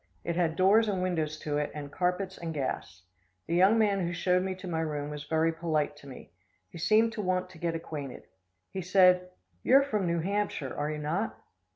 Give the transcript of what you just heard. It had doors and windows to it, and carpets and gas. The young man who showed me to my room was very polite to me. He seemed to want to get acquainted. He said: "You are from New Hampshire, are you not?"